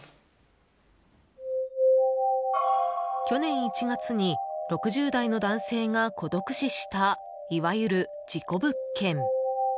去年１月に６０代の男性が孤独死した、いわゆる事故物件。